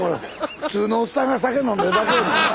普通のおっさんが酒飲んでるだけ。